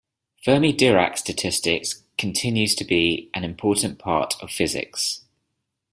Fermi-Dirac statistics continues to be an important part of physics.